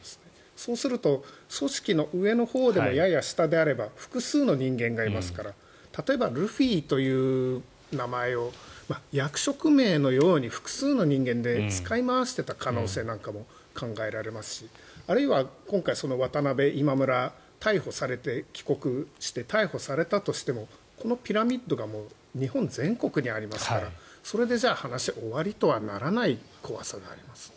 そうすると組織の上のほうでもやや下であれば複数の人間がいますから例えばルフィという名前を役職名のように複数の人間で使い回していた可能性も考えられますしあるいは今回渡邉、今村が逮捕されて帰国して、逮捕されたとしてもこのピラミッドが日本全国にありますからそれで話、終わりとはならない怖さがありますね。